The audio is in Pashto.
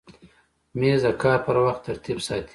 مېز د کار پر وخت ترتیب ساتي.